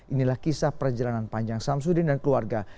inilah kisah perjalanan panjang samsudin dan keluarga